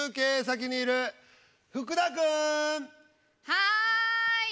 はい。